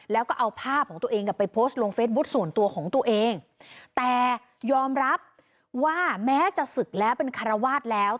แล้วก็เอาภาพของตัวเองกลับไปโพสต์ลงเฟซบุ๊คส่วนตัวของตัวเองแต่ยอมรับว่าแม้จะศึกแล้วเป็นคารวาสแล้ว